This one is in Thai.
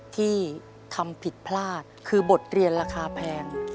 ที่ทำผิดพลาดคือบทเรียนราคาแพง